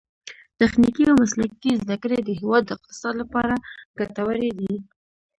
تخنیکي او مسلکي زده کړې د هیواد د اقتصاد لپاره ګټورې دي.